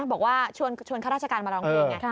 บอกว่าชวนช่วงค่าราชการมาลองเลียง